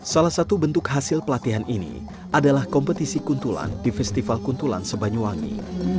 salah satu bentuk hasil pelatihan ini adalah kompetisi kuntulan di festival kuntulan sebanyuwangi